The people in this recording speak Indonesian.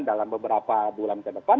dalam beberapa bulan ke depan